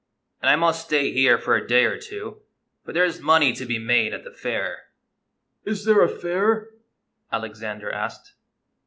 And I must stay liere for a day or two, for there 's money to be made at the fair." " Is there a fair ?" Alexander asked.